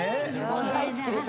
大好きです。